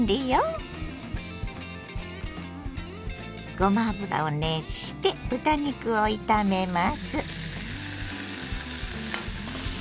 ごま油を熱して豚肉を炒めます。